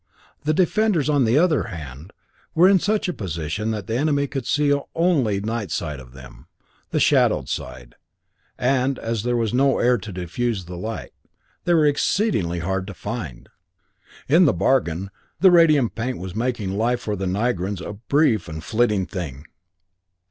The defenders, on the other hand, were in such a position that the enemy could see only the "night" side of them the shadowed side and, as there was no air to diffuse the light, they were exceedingly hard to find. In the bargain, the radium paint was making life for the Nigrans a brief and flitting thing!